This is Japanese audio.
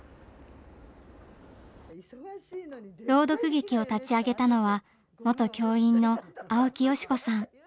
朗読劇を立ち上げたのは元教員の青木淑子さん。